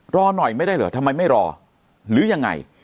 รอหน่อยไม่ได้เหรอทำไมไม่รอหรือยังไง